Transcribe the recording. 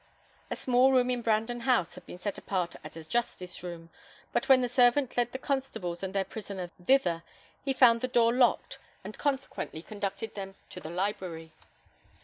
A small room in Brandon House had been set apart as a justice room; but when the servant led the constables and their prisoner thither, he found the door locked, and consequently conducted them to the library.